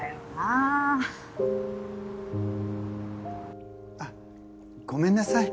あっごめんなさい。